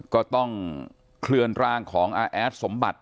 ก็ต้องเคลื่อนร่างของอาแอดสมบัติ